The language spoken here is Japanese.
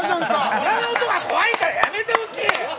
銅鑼の音が怖いからやめてほしい！